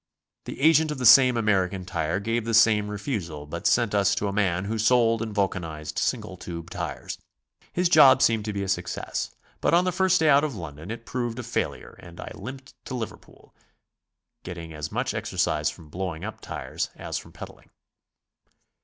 The agent of the same American tire 'gave the same refusal, but sent us to a man who sold and vul canized single tube tires. His job seemed to be a success, but on the first day out of London it proved a failure and I limped to Liverpool, getting as much exercise from blowing up tires as from pedalling.